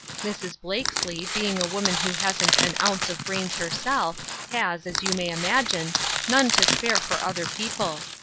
" Mrs. Blakesley, being a woman who hasn't an ounce of brains herself, has, as you may imagine, none to spare for other people.